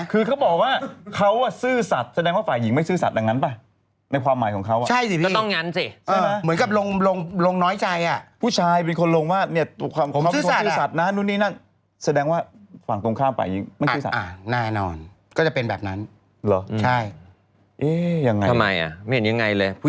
คือเขาบอกว่าเขาซื่อสัดแสดงว่าฝ่ายหญิงไม่ซื่อสัดดังนั้นปะในความหมายของเขา